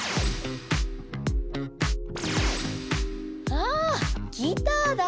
あギターだ！